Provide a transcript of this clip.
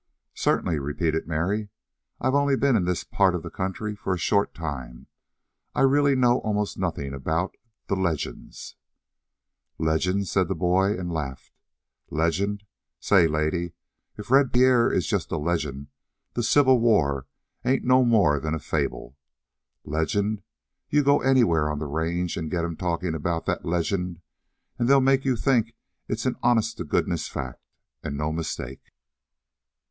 "Certainly," repeated Mary. "I've only been in this part of the country for a short time. I really know almost nothing about the legends." "Legends?" said the boy, and laughed. "Legend? Say, lady, if Red Pierre is just a legend the Civil War ain't no more'n a fable. Legend? You go anywhere on the range an' get 'em talking about that legend, and they'll make you think it's an honest to goodness fact, and no mistake."